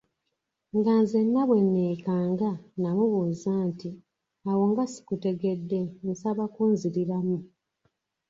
Nga nzenna bwe neekanga, namubuuza nti awo nga sikutegedde, nsaba kunziriramu.